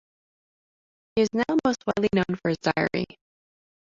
He is now most widely known for his diary.